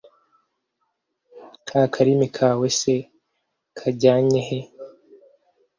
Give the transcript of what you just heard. ka karimi kawe se kagannye he